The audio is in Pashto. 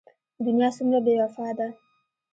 دنيا څومره بې وفا ده.